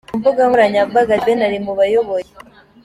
Ku mbuga nkoranyambaga, The Ben ari mu bayoboye.